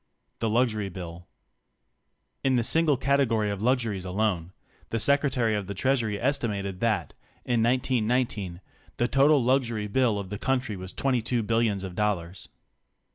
THE LUXURY BILL In the single category of luxuries alone, the Secretary of the Treasury estimated that, in 1919, the total luxury bill of the country was 22 billions of dollars.